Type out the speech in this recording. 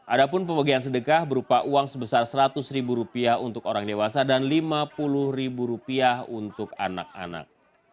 ada pun pembagian sedekah berupa uang sebesar seratus ribu rupiah untuk orang dewasa dan rp lima puluh ribu rupiah untuk anak anak